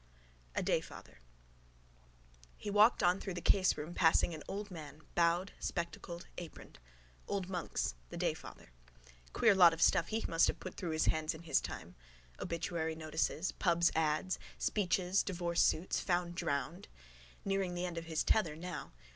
A DAYFATHER He walked on through the caseroom passing an old man, bowed, spectacled, aproned. Old Monks, the dayfather. Queer lot of stuff he must have put through his hands in his time: obituary notices, pubs' ads, speeches, divorce suits, found drowned. Nearing the end of his tether now.